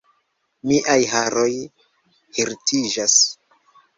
Miaj haroj hirtiĝas!